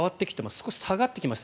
少し下がってきました。